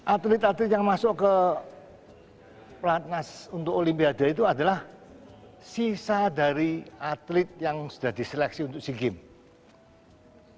atlet atlet yang masuk ke pelatnas untuk olimpiade itu adalah sisa dari atlet yang sudah diseleksi untuk sea games